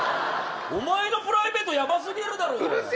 おまえのプライベートやば過ぎるだろ。